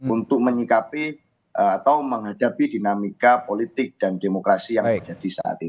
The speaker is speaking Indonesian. untuk menyikapi atau menghadapi dinamika politik dan demokrasi yang terjadi saat ini